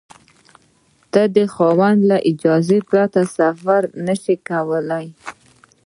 ته د خاوند له اجازې پرته سفر نشې کولای.